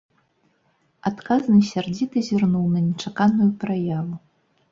Адказны сярдзіта зірнуў на нечаканую праяву.